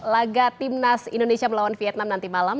laga timnas indonesia melawan vietnam nanti malam